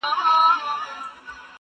باد د غرونو له منځه راځي,